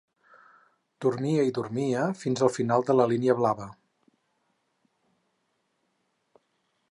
Dormia i dormia fins al final de la línia blava.